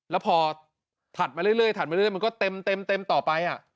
แล้วพอถัดมาเรื่อยมันก็เต็มต่อไป